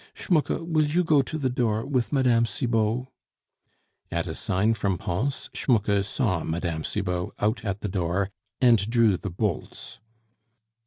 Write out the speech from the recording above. Schmucke, will you go to the door with Mme. Cibot?" At a sign from Pons, Schmucke saw Mme. Cibot out at the door, and drew the bolts.